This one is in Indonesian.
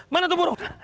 mana tuh burung